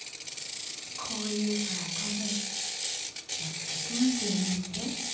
こういう空飛ぶんめっちゃ気持ちええねんで。